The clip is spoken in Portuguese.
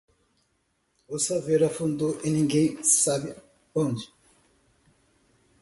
O saveiro afundou e ninguém sabe onde.